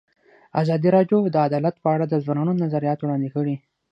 ازادي راډیو د عدالت په اړه د ځوانانو نظریات وړاندې کړي.